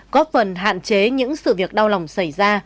góp phần hạn chế những sự việc đau lòng xảy ra